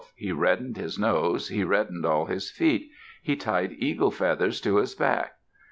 He reddened his nose; he reddened all his feet. He tied eagle feathers to his back.